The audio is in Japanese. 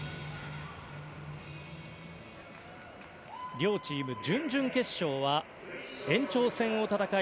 両チーム、準々決勝は延長戦を戦い